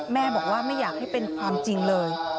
แม่บอกว่าไม่อยากให้เป็นความจริงเลย